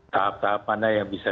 tahap tahap mana yang bisa